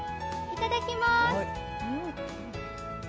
いただきます。